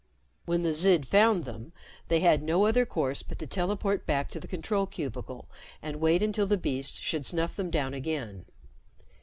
When the Zid found them, they had no other course but to teleport back to the control cubicle and wait until the beast should snuff them down again.